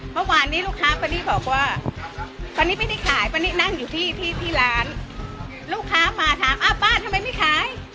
เมื่อวานนี้ลูกค้าคนนี้บอกว่าคนนี้ไม่ได้ขายตอนนี้นั่งอยู่ที่ที่ร้านลูกค้ามาถามอ้าวป้าทำไมไม่ขาย